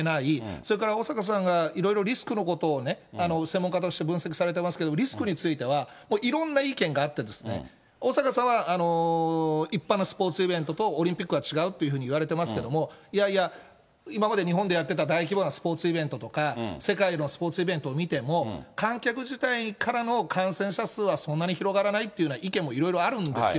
それから小坂さんがいろいろリスクのことをね、専門家として分析されてますけど、リスクについては、いろんな意見があって、小坂さんは一般のスポーツイベントとオリンピックは違うというふうに言われてますけど、いやいや、今まで日本でやってた大規模なスポーツイベントとか、世界のスポーツイベントを見ても、観客自体からの感染者数はそんなに広がらないというような意見もいろいろあるんですよ。